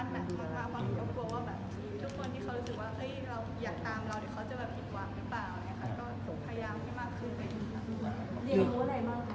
เรียกว่าอะไรบ้างก็ถือ